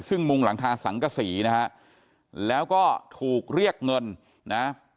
ซึ่งมุงหลังคาสังกษีนะฮะแล้วก็ถูกเรียกเงินนะ